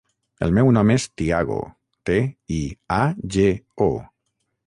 El meu nom és Tiago: te, i, a, ge, o.